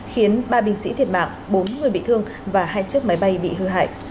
khiến ba binh sĩ thiệt mạng bốn người bị thương và hai chiếc máy bay bị hư hại